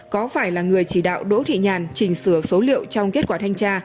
có phải là người chỉ đạo đỗ thị nhàn chỉnh sửa số liệu trong kết quả thanh tra